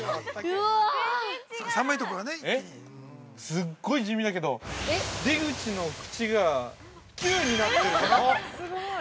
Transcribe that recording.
◆すごい地味だけど出口の「口」が「Ｑ」になってるじゃん。